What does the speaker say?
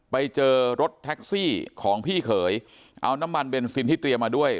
ไปเจอรถแท็กซี่ของพี่เขยเอาน้ำมันเบนซินที่เตรียมมาด้วย